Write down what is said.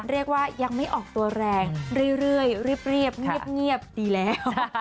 เรียบเย็บดีแล้ว